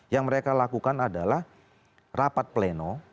yang mereka lakukan adalah rapat pleno